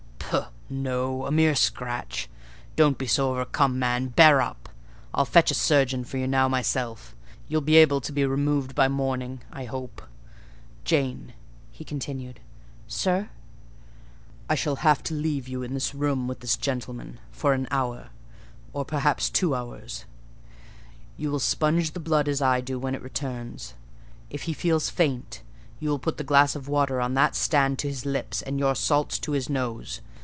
"Pooh! No—a mere scratch. Don't be so overcome, man: bear up! I'll fetch a surgeon for you now, myself: you'll be able to be removed by morning, I hope. Jane," he continued. "Sir?" "I shall have to leave you in this room with this gentleman, for an hour, or perhaps two hours: you will sponge the blood as I do when it returns: if he feels faint, you will put the glass of water on that stand to his lips, and your salts to his nose.